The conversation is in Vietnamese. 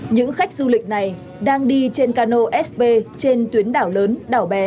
những khách du lịch này đang đi trên cano sb trên tuyến đảo lớn đảo bé